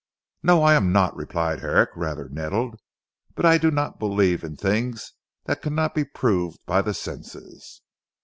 "No, I am not," replied Herrick rather nettled, "but I do not believe in things that cannot be proved by the senses."